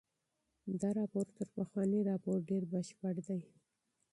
دا راپور تر پخواني راپور ډېر بشپړ دی.